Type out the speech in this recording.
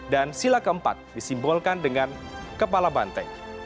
dan sila keempat disimbolkan dengan kepala banteng